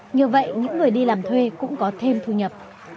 nhờ vậy những người đi làm thuê cũng có thêm thu nhập